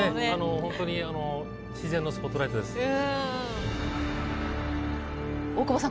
ホントに自然のスポットライトです大久保さん